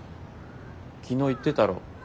昨日言ってたろ。